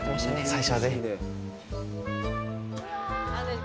最初はぜひ、はい。